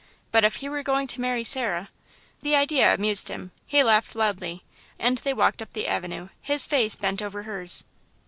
But if he were going to marry Sarah! The idea amused him; he laughed loudly, and they walked up the avenue, his face bent over hers.